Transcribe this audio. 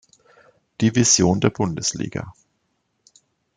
Division der Bundesliga.